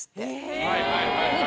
はいはいはいはい。